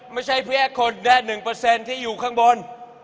ไม่ใช่แค่คนแดด๑ที่อยู่ข้างบน